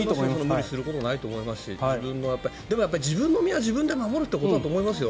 無理することはないと思いますしでも、自分の身は自分で守るということだと思いますよ。